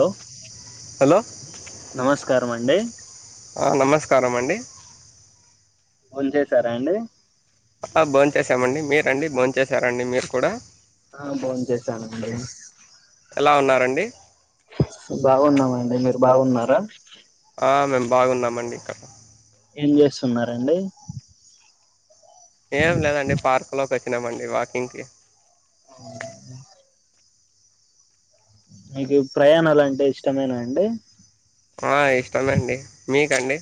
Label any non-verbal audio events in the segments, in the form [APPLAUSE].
లో హలో నమస్కార్ మండి. నమస్కారం అండి. ఫోన్ చేసారా అండి. భోన్ చేసామండి మీరండి బోంన్ చేసారాఅండి మీరు కూడా ఆ బోన్ చేసామండి. ఎలా ఉన్నారండి. బాగున్నామండి మీరు బాగున్నారా? ఆ మేము బాగున్నామండి ఇక్కడ. ఏం చేస్తున్నారండి. ఏం లేదండి పార్క్లో వచ్ మండి వాకింగ్కి అవునా మీకు ప్రయాణాలంటే ఇష్టమేనా అండి. ఆ ఇష్టమండి. మీకండి?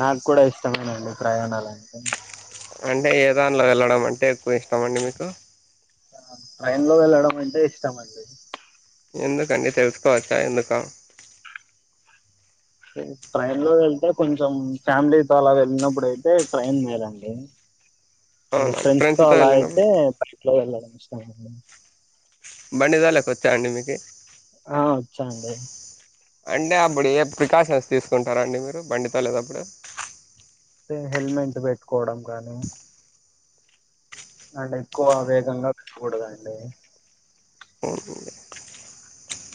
నాక్కూడా ఇష్టమేనండి ప్రయాణాలంటే. అంటే ఏ దానిలో వెళ్ళడం అంటే ఎక్కువ ఇష్టం అండి మీకూ? ట్రైన్లో వెళ్ళడం అంటే ఇష్టమండి. ఎందుకండి తెలుసుకో వచ్చా ఎందుకో ట్రైన్ లో వెళ్తే కొంచెం ఫ్యామిలీతో అలా వెళ్ళినప్పుడు అయితే ట్రైన్ వేరండి అవునండి ఫ్రెండ్స్ తో ఫ్రెండ్స్తో అలా వెళ్ళినాము అయితే బైక్ లో వెళ్ [UNINTELLIGIBLE] బండి తొలేకి వచ్చా అండి మీకి ఆ వచ్చా అండి అంటే అప్పుడు ఏ ప్రికాషన్స్ తీసుకుంటారాండి మీరు బండి తోలేటప్పుడు అే హెల్మెట్ పెట్టుకోవడం కానీ అంటే ఎక్కువ వేగంగా నడపకూడదు అండి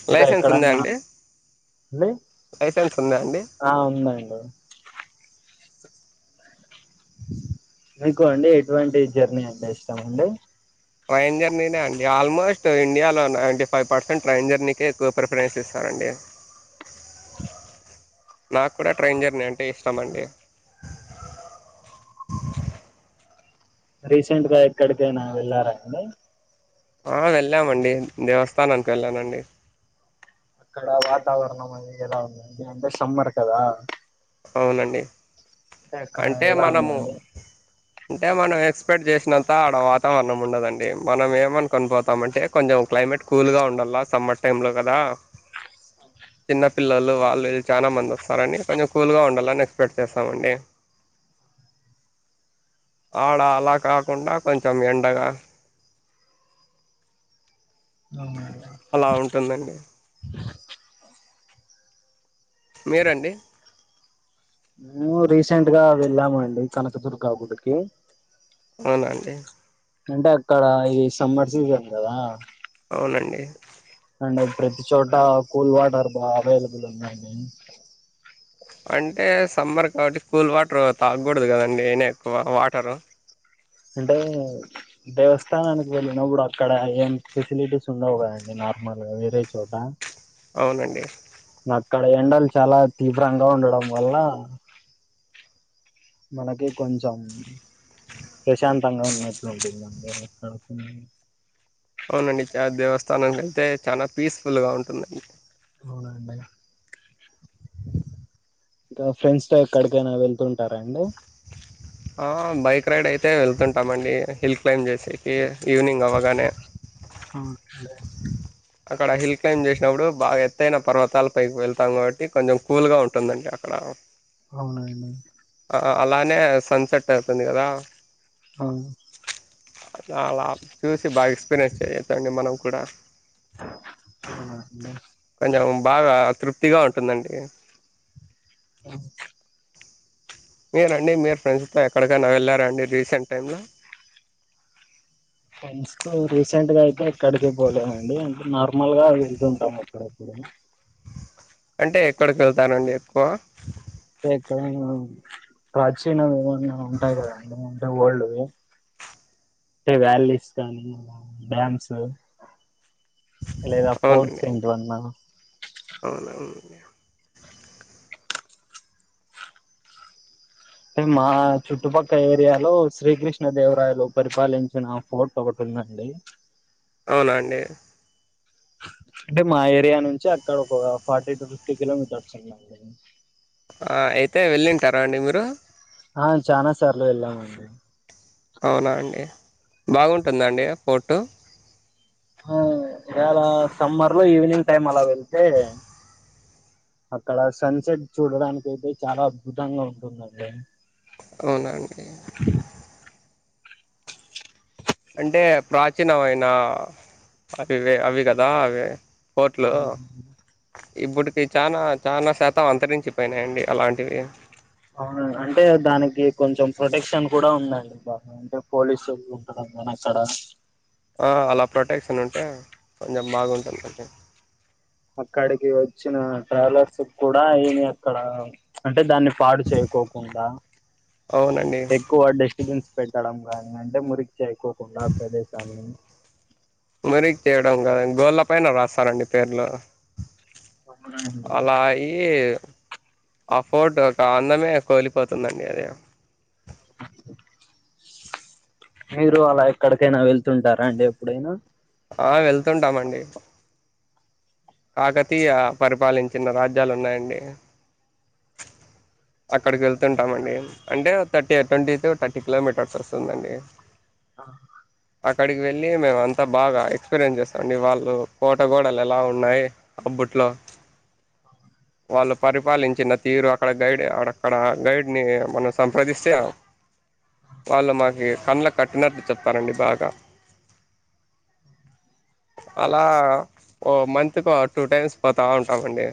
ఇంకా లైసెన్స్ ఉందా ఎక్కడన్నా అండి లైసెన్స్ ఉందా అండి ఆ ఉందండి మీకు అండి ఎటువంటి జర్నీ అంటే ఇష్టము అండి ట్రైన్ జర్నీనే అండి ఆల్మోస్ట్ ఇండియాలో నైంటీ ఫైవ్ పర్సెంట్ ట్రైన్ జర్నీకే ఎక్కువ ప్రిఫరెన్స్ ఇస్తారంండి నాకు కూడా ట్రైన్ జర్నీ అంటే ఇష్టం అండి రీసెంట్ గా ఎక్కడికేనా వెళ్ళారా అండి ఆ వెళ్ళామండి దేవస్థానానికి వెళ్ళానండి అక్కడ వాతావరణం అనేది ఎలా ఉందండి అంటే సమ్మర్ కదా అవునండి అక్కడ అంటే ఎలా మనము ఉందండి అంటే మనం ఎక్స్ పెక్ట్ చేసినంత అక్కడ వాతావరణం ఉండదండి మనం ఏమనుకుొని పోతము అంటే కొంచెం క్లైమేట్ కూల్గా ఉండలా సమ్మర్ టైంలో కదా చిన్నపిల్లలు వాళ్ళుళ్ చాలా మంది వస్తారండి కొంచెం కూల్గా ఉండాలని ఎక్స్పెక్ట్ చేస్తామండి ఆడ అలా కాకుండా కొంచెం ఎండగా అవును అలా ఉంటుందండి మీరండి మేము రీసెంట్ గా వెళ్ళాముండి కనకదుర్గాగుడికి అవునండి అంటే అక్కడ ఇది సమ్మర్ సీజన్ కదా అవునండి అంటే ప్రతి చోట కూల్ వాటర్ బా అవైలబుల్ ఉందండి అంటే సమ్మర్ కాబట్టి కూల్ వాటర్ తాగకూడదు కదండి అయినా ఎక్కువ వాటరు అంటే దేవస్థానానికి వెళ్ళినప్పుడు అక్కడ ఏం ఫెసిలిటీస్ ఉండవు కదండి నార్మల్ గా వేరే చోట అవునండి అక్కడ ఎండలు చాలా తీవ్రంగా ఉండడం వల్ల మనకి కొంచెం ప్రశాంతంగా ఉన్నట్లుంటుంది అక్కడ అవునండి దేవస్థానంనికి వెళ్తే చాలా పీస్ఫుల్ గా ఉంటుందండి అవునాండి ఇంకా ఫ్రెండ్స్ తో ఎక్కడికైనా వెళ్తుంటారా అండి ఆ బైక్ రైడ్ అయితే వెళ్తుంటామండి హిల్ క్లైంబ్ చేసేకి ఈవినింగ్ అవర్స్ గనే [UNINTELLIGIBLE] అక్కడ హిల్ క్లైంబ్ చేసినప్పుడు బాగా ఎత్తయిన పర్వతాల పైకి వెళ్తాం కాబట్టి కొంచెం కూల్ గా ఉంటుందండి అక్కడ అవునండి ఆ! అలానే సన్సెట్ అవుతుంది కదా అవునండి చాలా చూసి బాగా ఎక్స్పీరియన్స్ చేయొచ్చు అండి మనం కూడా హ కొంచేం బాగా తృప్తిగా ఉంటుందండి అఓ మీరండి మీరు ఫ్రెండ్స్ ఎక్కడికైనా వెళ్ళారంండి రీసెంట్ టైంలో ఫ్రెండ్స్ తో రీసెంట్ గా అయితే ఎక్కడికి పోలేమండి అంటే నార్మల్ గా వెళ్తుంటాము అప్పుడప్పుడు అంటే ఎక్కడికి వెళ్తారండి ఎక్కువ ఎక్కడైనా ప్రాచీనవి ఏవైన్నా ఉంటాయి కదండి అంటే ఓల్డ్ వి టే వ్యాలీస్ కానీ డ్యామ్స్ లేదా ఫోర్ట్ అవునండి ఏంటివన్నా అవునవునండి మా చుట్టుపక్క ఏరియాలో శ్రీకృష్ణ దేవరాయలు పరిపాలించిన ఫోర్ట్ ఒకటి ఉందండి అవునా అండి అంటే మా ఏరియా నుంచి అక్కడకు ఒక ఫార్టీ టు ఫిఫ్టీ కిలోమీటర్స్ ఉందండి ఆ అయితే వెళ్ళింటారా అండి మీరు ఆ చానా సార్లు వెళ్ళామండి అవునా అండి బాగుంటుందా అండి ఫోర్టు హా యాలా సమ్మర్ లో ఈవినింగ్ టైం అలా వెళ్తే అక్కడ సన్సెట్ చూడడానికి అయితే చాలా అద్భుతంగా ఉంటుందండి అవునా అంటి అంటే ప్రాచీనమైన అవివి అవి కదా అవి ఫోర్ట్ లు ఇబ్బుడు తి చానా చానా శాతం అంతరించిపోయినాయి అండి అలాంటివి అవునా అంటే దానికి కొంచెం ప్రొటెక్షన్ కూడా ఉందండి [INAUDIBLE] అంటే పోలీసోళ్ళు ఉంటారు కానీ అక్కడ ఆ అలా ప్రొటెక్షన్ ఉంటే కొంచెం బాగుంటుంది [INAUDIBLE] అక్కడికి వచ్చిన ట్రావెలర్స్ కు కూడా ఏమి అక్కడ అంటే దాన్ని పాడు చేయకోకుండా అవునండి ఎక్కువ డెస్టిబిన్స్ పెట్టడం గానీ అంటే మురి చేయకోకుండా ప్రదేశాన్ని మురికి చేయడం కాదం గోడ్ల పైన రాస్తారండి పేర్లు అలా అయ్యి అ ఫోర్ట్ ఒక అందమే కోలిపోతుందండి అది మీరూ అలా ఎక్కడికైనా వెళ్తుంటారా అండి ఎప్పుడైనా ఆ వెళ్తుంటామండి కాకతీయ పరిపాలించిన రాజ్యాలు ఉన్నాయండి అక్కడికెళ్తుంటామండి అంటే thirty twenty to thirty kilometres వస్తుందండి ఆ అక్కడికి వెళ్ళి మేము అంతా బాగా ఎక్స్పీరియన్స్ చేస్తాండి వాళ్ళు కోట గోడలు ఎలా ఉన్నాయి అబ్బుట్లో వాళ్ళు పరిపాలించిన తీరు అక్కడ గైడి ఆడ అక్కడ గైడ్ ని మనం సంప్రదిస్తే వాళ్ళు మా ఈ కన్లకు కట్టినట్టు చెప్ తారండి బాగా అలా ఓ మంత్ కో టూ టైమ్స్ పోతా ఉంటామండి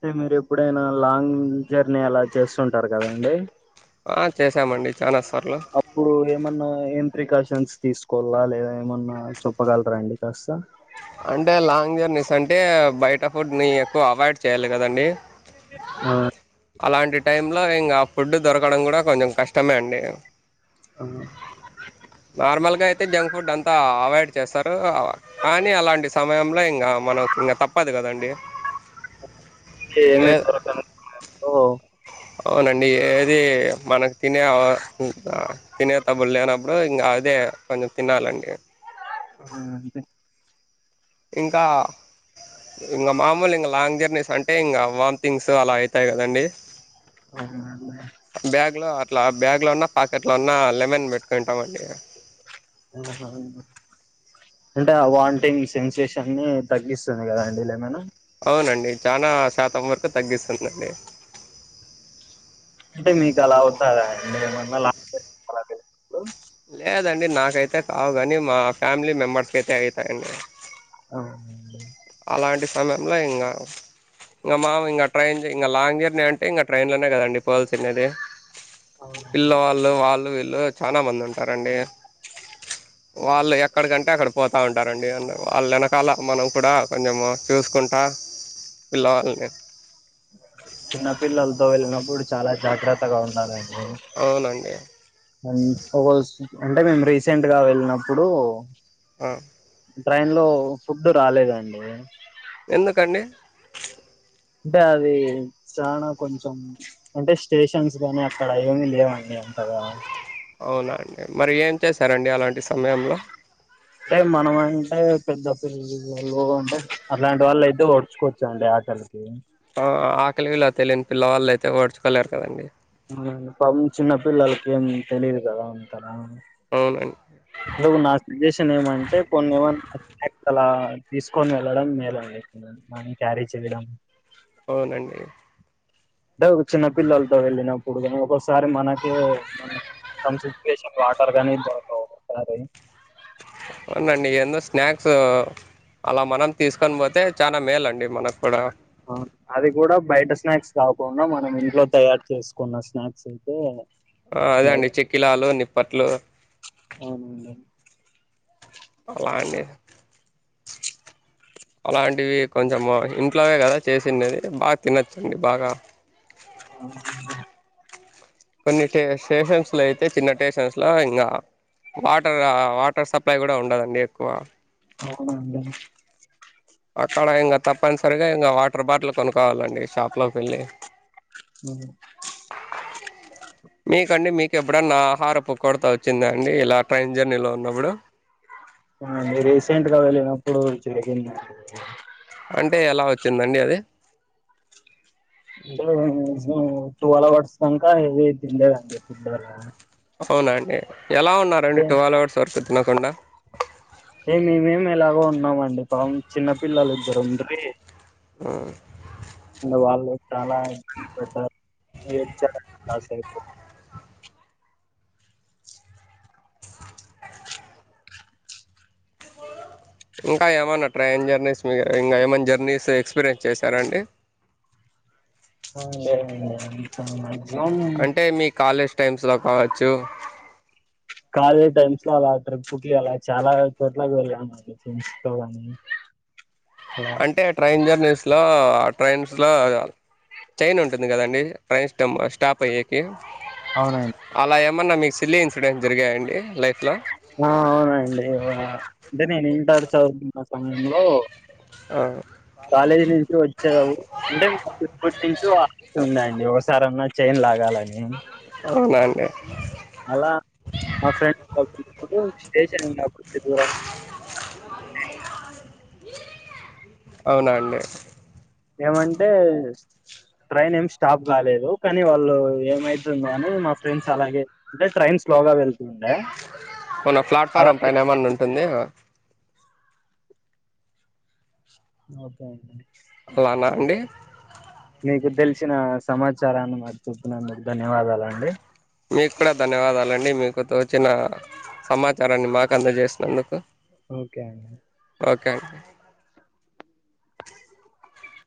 టే మీరు ఎప్పుడైనా లాంగ్ జర్నీ అలా చేస్తుంటారు కదండి ఆ చేశాం అండి చానాస్ అప్పుడు ఏమన్నా ఏం ప్రికాషన్స్ తీసుకోవల్లా లేదా ఏమన్నా చొప్పగలరా అండి కాస్త అంటే లాంగ్ జర్నీస్ అంటే బయట ఫుడ్ ని ఎక్కువ అవాయిడ్ చెయ్యాలి కదండి ఆ అలాంటి టైం లో ఇంగా ఫుడ్డు దొరకడం కూడా కొంచెం కష్టమే అండి ఆ నార్మల్ గా ఐతే జం ఫుడ్ అంతా అవాయిడ్ చేస్తారు కానీ అలాంటి సమయంలో ఇంకా మనకు ఇంకా తప్పదు కదండి ఏ ఏమి దొరకని సమయంలో అవునండి ఏ ఇది మనకు తినే తినే తబులు లేనప్పుడు ఇంకా అదే కొంచెం తినాలండి ఇంకా ఇంకా మామూలు ఇంకా లాంగ్ జర్నీస్ అంటే ఇంగ వాంథింగ్స్ అలా అవుతాయి కదండీ. ఆ, బ్యాగ్లో అట్లా బ్యాగ్లో ఉన్న పాకెట్లో ఉన్న లెమన్ పెట్టుకుంటామండి ఆ, ఆ, అంటే ఆ వాంటింగ్ సెన్సేషన్నీ తగ్గిస్తుంది కదా అండి లెమను అవునండి చానా శాతం వరకు తగ్గిస్తుందండి అంటే మీకు అలా అవుతాయా అండి ఏమన్నా లాంగ్ లేదండి నాకైతే కావు కానీ మా ఫ్యామిలీ మెంబర్స్కి అయితే అవుతాయండి అవునండి. అలాంటి సమయంలో ఇంగ ఇంగ మాము ఇంకా ట్రైన్ ఇంగ లాంగ్ జర్నీ అంటే ఇంగ ట్రైన్లనే కదండి పోల్ తినేది. అవునండి. పిల్లవాళ్ళు వాళ్ళు వీళ్ళు చానా మంది ఉంటారండి. వాళ్ళు ఎక్కడికంటే అక్కడ పోతా ఉంటారండి వాళ్ళెనకాల మనం కూడా కొంచము చూసుకుంటా పిల్లవాళ్ళని చిన్న పిల్లలతో వెళ్ళినప్పుడు చాలా జాగ్రత్తగా ఉండాలండి అవునండి [UNINTELLIGIBLE] అంటే మేము రీసెంట్ గా వెళ్ళినప్పుడు ఆ ట్రైన్ లో ఫుడ్ రాలేదండి ఎందుకండి అంటే అది చానా కొంచెం అంటే స్టేషన్స్ కానీ అక్కడ ఏమీ లేవండి అంతగా అవునా అండి మరి ఏం చేశారండి అలాంటి సమయంలో అంటే మనమంటే పెద్ద పిల్లలు అంటే అలాంటి వాళ్ళు అయితే ఓడ్చుకోవచ్చండి ఆకలికి ఆ ఆకలి విలువ తెలియని పిల్లవాళ్ళయితే ఓడ్చుకోలేరు కదండి పం చిన్న పిల్లలకి ఏం తెలియదు కదా అంతగా అవునండి ను నా సజెషన్ ఏమంటే కొన్ని ఏమన్నా అలా తీసుకొని వెళ్ళడం మేలండి మని క్యారీ చేయడం అవునండి అంటే చిన్న పిల్లలతో వెళ్ళినప్పుడు కానీ ఒకోసారి మనకే సం సిచ్వేషన్ వాటర్ కానీ దొరకవు ఒకోసారి అవునండి ఎందో స్నాక్స్ అలా మనం తీసుకొని పోతే చానా మేలండి మనకు కూడా అవును అది కూడా బయట స్నాక్స్ కాకుండా మనం ఇంట్లో తయారు చేసుకున్న స్నాక్స్ అయితే ఆ అదే మేలు అండి చెక్కిలాలు ని పట్లు అవునండి అలా అండీ అలాంటివి కొంచెము ఇంట్లోనే కదా చేసిండది బాగా తినొచ్చండి బాగా కొన్ని టే స్టేషన్స్ లో అయితే చిన్న స్టేషన్స్ లో ఇంగా వాటర్ వాటర్ సప్లై కూడా ఉండదండి ఎక్కువ అవునండి అక్కడ ఇంకా తప్పనిసరిగా ఇంకా వాటర్ బాటిల్ కొనుక్కవాలండి షాప్ లోకి వెళ్ళీ ఉ కెప్పుడన్న ఆహారపు కొడత వచ్చిందా అండి ఇలా ట్రైన్ జర్నీలో ఉన్నప్పుడు ఆ రీసెంట్ గా వెళ్ళినప్పుడు జరిగిందండీ అంటే ఎలా వచ్చిందండి అది ట్వెల్వ్ అవర్స్ దంక ఏమీ తినలేదండి ఫుడ్ అవునా అండి ఎలా ఉన్నారండి అంటే ట్వల్ అవర్స్ వరకు తినకుండ్ ఏ మేమేం ఎలాగో ఉన్నామండి పాపం చిన్న పిల్లలు ఇద్దరు ఉండ్రి హమ్ వళ్ళు చాలా ఇబ్బంది పడ్డారు ఏడ్చారు ఇంకా ఏమన్నా ట్రైన్ జర్నీస్ మీ ఇంకా ఏమైన్నా జర్నీస్ ఎక్స్పీరియన్స్ చేశారాండి అ లేదండి టైమ్స్ లో కావచ్చు కాలేజ్ టైమ్స్ లో అలా ట్రిప్కి అలా చాలా చోట్లకి వెళ్ళానుండి ఫ్రెండ్స్ తో కానీ అంటే ట్రైన్ జర్నీస్ లో ట్రైన్స్ లో చైన్ ఉంటుంది కదండి ట్రైన్ స్ స్టాప్ అయ్యి కి అవునండి అల ఏమన్నా మీ సిల్లీ ఇన్సిడెట్స్ జరిగాయండి లైఫ్ ఆ అవునండి అంటే నేను ఇంటర్ చదువు సమయంలో ఆ, కాలేజీ నుంచి వచ్చే అంటే నుంచి ఉన్నాయండి ఒకసారి అన్న చైన్ లాగాలని అవునండి అలా మా ఫ్రెండ్స్ స్టేషన్ నాకు దూరం అవునండి ఏమంటే ట్రైన్ ఏమి స్టాప్ కాలేదు కానీ వాళ్ళు ఏమైతుంద అని మా ఫ్రెండ్స్ అలాగేంటే ట్రైన్ స్లోగా వెళ్తు మన ప్లాట్ఫారం పైన ఏమన్నా ఉంటుంది ఒకే అండి ఓనా అండి మీకు తెలిసిన సమాచారాన్ని మరి చూపినందుకు ధన్యవాదాలండి మీకు కూడా ధన్యవాదాలండి మీకు తోచిన సమాచారాన్ని మాకు అందజేసినందుకు ఒకే అండి ఒకే అండి